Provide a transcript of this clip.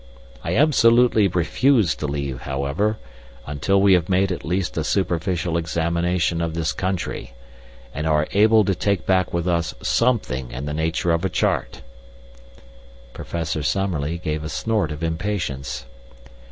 I absolutely refuse to leave, however, until we have made at least a superficial examination of this country, and are able to take back with us something in the nature of a chart." Professor Summerlee gave a snort of impatience.